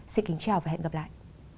xin kính chào và hẹn gặp lại